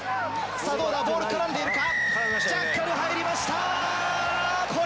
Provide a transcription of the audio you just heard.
さあどうだ、ボール絡んでいるか？